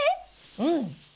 うん。